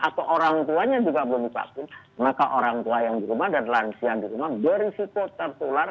atau orang tuanya juga belum divaksin maka orang tua yang di rumah dan lansia di rumah berisiko tertular